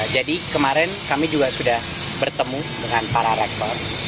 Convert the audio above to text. kemarin kami juga sudah bertemu dengan para rektor